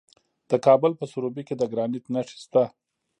د کابل په سروبي کې د ګرانیټ نښې شته.